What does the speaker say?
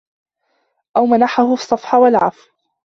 أَوْ مَنَحَهُ الصَّفْحَ وَالْعَفْوَ